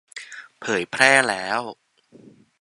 เผยแพร่แล้ว !